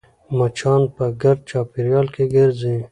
مچان په ګرد چاپېریال کې ګرځي